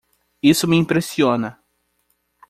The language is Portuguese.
Isso me impressiona!